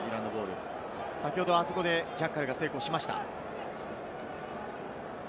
先ほどはあそこでジャッカルが成功しました。